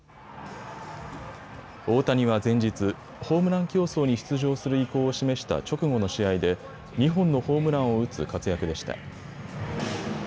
大谷は前日、ホームラン競争に出場する意向を示した直後の試合で２本のホームランを打つ活躍でした。